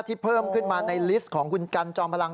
เพิ่มขึ้นมาในลิสต์ของคุณกันจอมพลัง